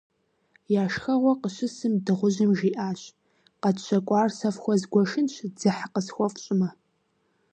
Я шхэгъуэ къыщысым, дыгъужьым жиӀащ: - КъэтщэкӀуар сэ фхуэзгуэшынщ, дзыхь къысхуэфщӀмэ.